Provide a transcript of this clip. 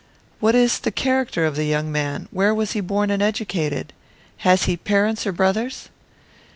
"What is the character of the young man? Where was he born and educated? Has he parents or brothers?"